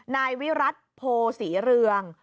นายวิรัติโพศรีเรือง